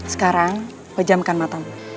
sekarang pejamkan matamu